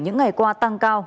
những ngày qua tăng cao